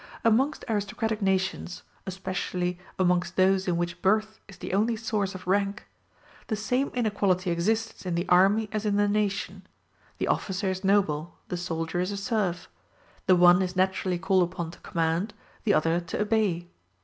Amongst aristocratic nations, especially amongst those in which birth is the only source of rank, the same inequality exists in the army as in the nation; the officer is noble, the soldier is a serf; the one is naturally called upon to command, the other to obey.